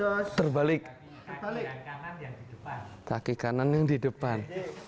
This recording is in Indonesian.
abdi kaki kanan yang di depan